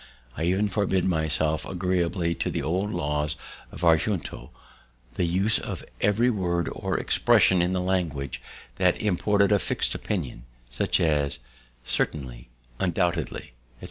I even forbid myself, agreeably to the old laws of our Junto, the use of every word or expression in the language that imported a fix'd opinion, such as certainly, undoubtedly, etc.